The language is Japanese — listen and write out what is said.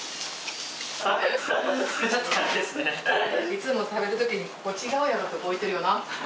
いつも食べるときにここ違うやろってとこ置いてるよな。